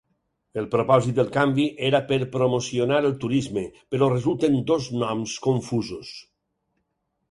El propòsit del canvi era per promocionar el turisme, però resulten dos noms confusos.